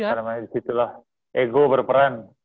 karena disitulah ego berperan